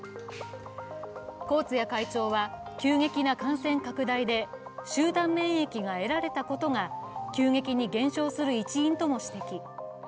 コーツィア会長は急激な感染拡大で集団免疫が得られたことが急激に減少する一因とも指摘。